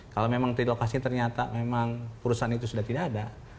kalau memang di lokasi ternyata memang perusahaan itu sudah tidak ada